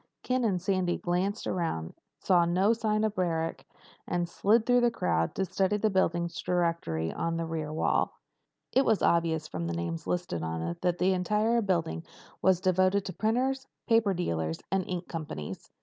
Ken and Sandy glanced around, saw no sign of Barrack, and slid through the crowd to study the building directory on the rear wall. It was obvious from the names listed on it that the entire building was devoted to printers, paper dealers, and ink companies.